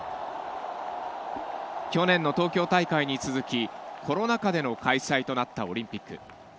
去年の東京大会に続きコロナ禍での開催となったオリンピック。